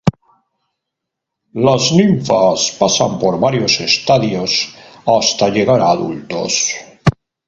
Las ninfas pasan por varios estadios hasta llegar a adultos.